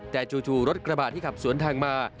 แต่จู่รถกระบาดที่ขับสวนทางมา